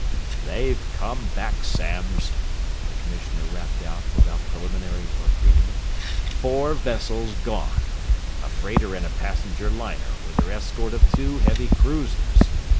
"They've come back, Samms!" the Commissioner rapped out, without preliminary or greeting. "Four vessels gone a freighter and a passenger liner, with her escort of two heavy cruisers.